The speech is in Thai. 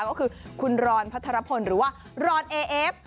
ก็คือคุณรอนพัทรพลหรือว่ารอนเอเอฟ